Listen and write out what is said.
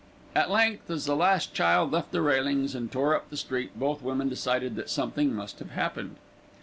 At length, as the last child left the railings and tore up the street, both women decided that something must have happened.